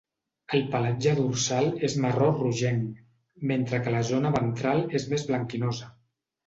El pelatge dorsal és marró rogenc, mentre que la zona ventral és més blanquinosa.